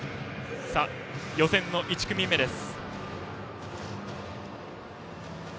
予選の１組目です。